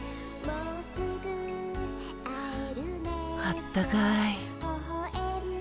あったかい。